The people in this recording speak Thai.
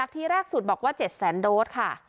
ที่แรกสุดบอกว่า๗๐๐๐๐๐โดสค่ะ